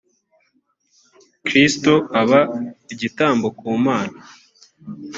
kristo aba igitambo ku mana